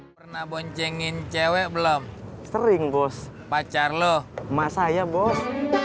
pernah boncengin cewek belum sering bos pacar loh emak saya bos